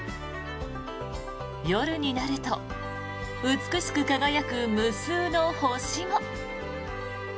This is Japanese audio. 夜になると美しく輝く無数の星も。